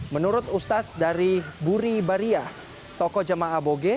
menurut ustaz dari buri bariah toko jamaah aboge